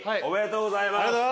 おめでとうございます。